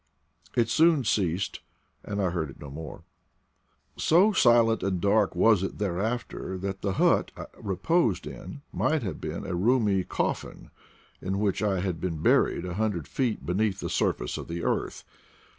It soon ceased, and I heard it no more. So silent and dark was it thereafter that theJiut I reposed in might have been a roomy cof fin in which I had been buried a hundred feet be neath the surface of the earth.